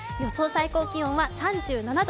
最高気温は３７度。